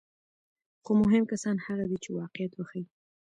خو مهم کسان هغه دي چې واقعیت وښيي.